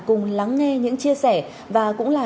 cùng lắng nghe những chia sẻ và cũng là